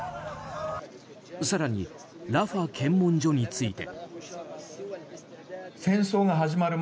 更に、ラファ検問所について。